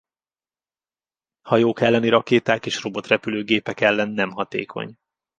Hajók elleni rakéták és robotrepülőgépek ellen nem hatékony.